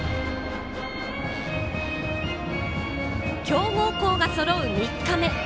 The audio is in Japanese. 強豪校がそろう３日目。